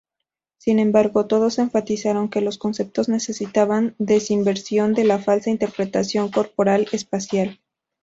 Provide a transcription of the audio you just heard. Sin embargo, todos enfatizaron que los conceptos necesitaban desinversión de la falsa interpretación corporal-espacial.